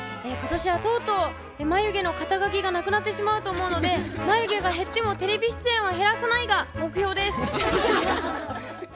今年はとうとう眉毛の肩書がなくなってしまうと思うので眉毛が減ってもテレビ出演は減らさないが目標です。